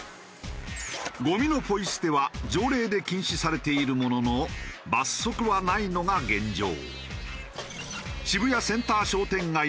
ごみのポイ捨ては条例で禁止されているものの罰則はないのが現状。